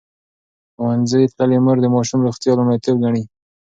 ښوونځې تللې مور د ماشوم روغتیا لومړیتوب ګڼي.